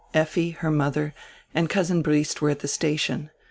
Effi, her mother, and Cousin Briest were at die station.